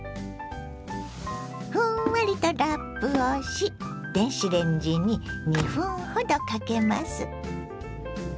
ふんわりとラップをし電子レンジに２分ほどかけます。